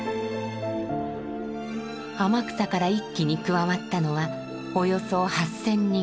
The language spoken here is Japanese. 天草から一揆に加わったのはおよそ８，０００人。